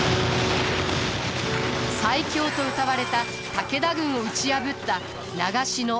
最強とうたわれた武田軍を打ち破った長篠設楽原の戦い。